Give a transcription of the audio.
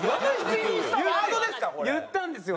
言ったんですよ